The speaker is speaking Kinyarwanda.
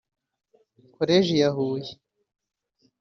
Koleji ya Huye